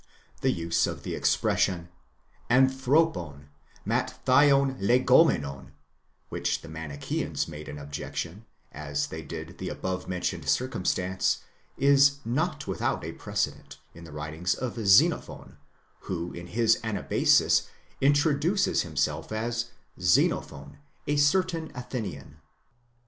The use of the expression, ἄνθρωπον, Ματθαῖον λεγόμενον, which the Manicheans made an objection," as they did the above mentioned circum stance, is not without a precedent in the writings of Xenophon, who in his Anabasis introduces himself as Xenophon, a certain Athenian, Ἐξενοφῶν τις ᾿Αθηναῖος."